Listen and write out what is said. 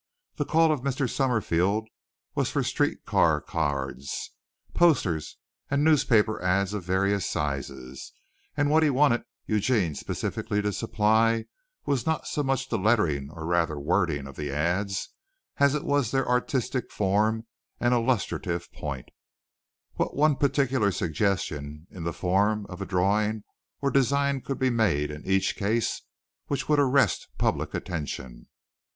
The call of Mr. Summerfield was for street car cards, posters and newspaper ads of various sizes, and what he wanted Eugene specifically to supply was not so much the lettering or rather wording of the ads as it was their artistic form and illustrative point: what one particular suggestion in the form of a drawing or design could be made in each case which would arrest public attention.